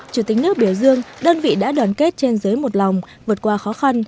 chủ tịch nước biểu dương đơn vị đã đoàn kết trên giới một lòng vượt qua khó khăn